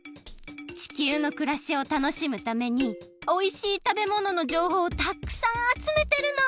地球のくらしを楽しむためにおいしいたべもののじょうほうをたっくさんあつめてるの！